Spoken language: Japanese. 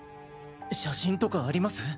写真とかあります？